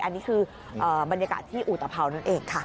อันนี้คือบรรยากาศที่อุตภัวนั่นเองค่ะ